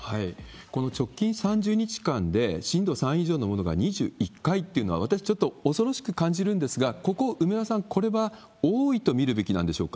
この直近３０日間で震度３以上のものが２１回っていうのは、私ちょっと恐ろしく感じるんですが、ここ、梅田さん、これは多いと見るべきなんでしょうか。